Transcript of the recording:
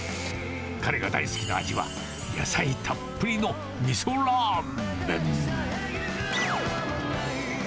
彼が大好きな味は、野菜たっぷりのみそラーメン。